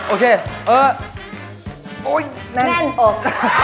โอเคแน่นออก